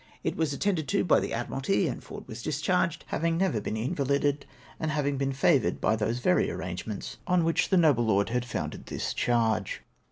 It was attended to by the Admiralty and Ford was discharged, having never been invalided, and having been favoured by those very arrange ments on which the noble lord had founded this charge.